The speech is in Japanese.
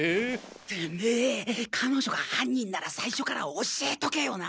テメェ彼女が犯人なら最初から教えとけよな！